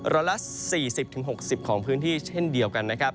ร้อยละ๔๐๖๐ของพื้นที่เช่นเดียวกันนะครับ